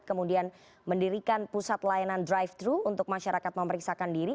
kemudian mendirikan pusat layanan drive thru untuk masyarakat memeriksakan diri